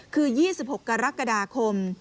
คือ๒๖กรกฎาคม